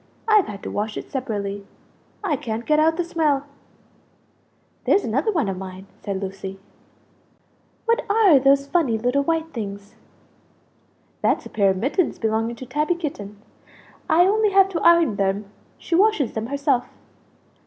I've had to wash it separately, I can't get out the smell." "There's another one of mine," said Lucie. "What are those funny little white things?" "That's a pair of mittens belonging to Tabby Kitten; I only have to iron them; she washes them herself."